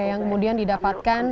yang kemudian didapatkan